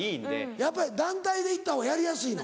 やっぱ団体で行ったほうがやりやすいの？